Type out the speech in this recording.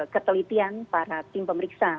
ketelitian para tim pemeriksa